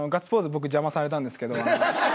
僕邪魔されたんですけど。